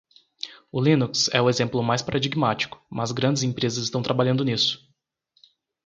O Linux é o exemplo mais paradigmático, mas grandes empresas estão trabalhando nisso.